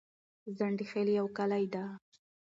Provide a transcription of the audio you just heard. ځنډيخيل يو کلي ده